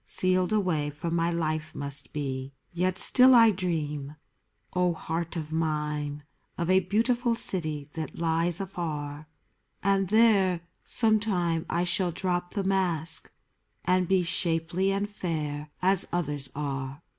Sealed away from my life must be. Yet still I dream, O heart of mine ! Of a beautiful city that lies afar ; And there, some time, I shall drop the mask, And be shapely and fair as others are.